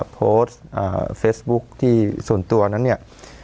โพสต์เฟซบุ๊คที่ส่วนตัวนั้นเนี่ย